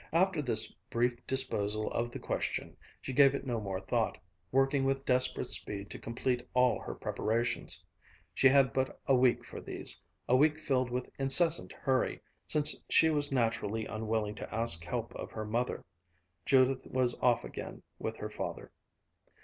After this brief disposal of the question, she gave it no more thought, working with desperate speed to complete all her preparations. She had but a week for these, a week filled with incessant hurry, since she was naturally unwilling to ask help of her mother. Judith was off again with her father.